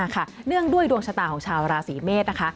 เนื่องด้วยดวงชะตาของชาวราศีเมษนะคะ